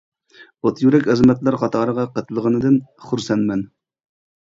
ئوت يۈرەك ئەزىمەتلەر قاتارىغا قېتىلغىنىدىن خۇرسەنمەن.